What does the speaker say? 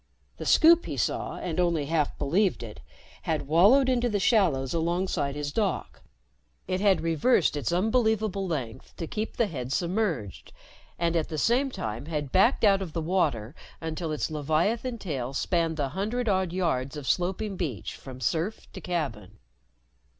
The Scoop, he saw, and only half believed it, had wallowed into the shallows alongside his dock. It had reversed its unbelievable length to keep the head submerged, and at the same time had backed out of the water until its leviathan tail spanned the hundred odd yards of sloping beach from surf to cabin.